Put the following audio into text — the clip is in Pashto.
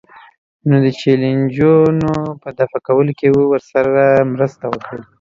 نو د چیلنجونو په دفع کولو کې ورسره مرسته وکړئ.